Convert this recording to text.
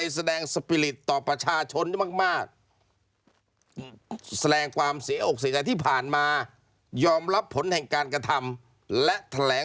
ส่งผลต่อครอบครัว